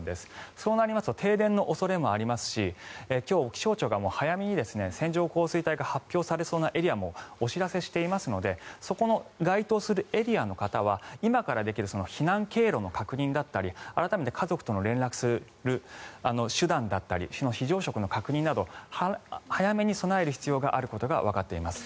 そうなりますと停電の恐れもありますし今日、気象庁が早めに線状降水帯が発表されそうなエリアをお知らせしていますのでそこの該当するエリアの方は今からできる避難経路の確認だったり改めて家族と連絡する手段だったり、非常食の確認など早めに備える必要があることがわかっています。